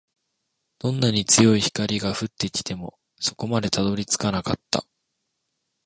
どんなに強い光が降ってきても、底までたどり着かなかった